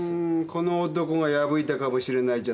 この男が破いたかもしれないじゃないか。